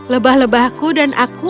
lebah lebahku dan aku